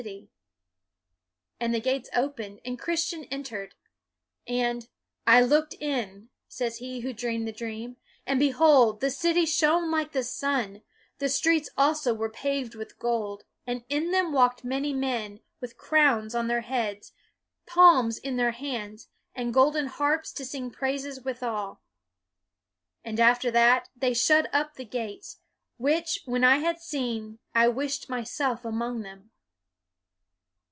BUNYAN 273 And the gates opened and Christian en tered; and "I looked in," says he who dreamed the dream, " and behold, the city shone like the sun; the streets also were paved with gold; and in them walked many men, with crowns on their heads, palms in their hands, and golden harps, to sing praises withal.' 1 " And after that, they shut up the gates; which, w r hen I had seen, I wished myself among them."